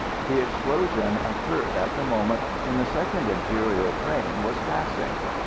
The explosion occurred at the moment when the second imperial train was passing.